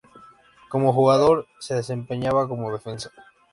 Como jugador, se desempeñaba como defensa.